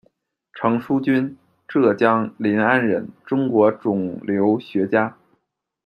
程书钧，浙江临安人，中国肿瘤学家。